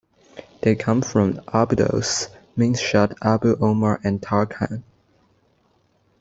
They come from Abydos, Minshat Abu Omar and Tarkhan.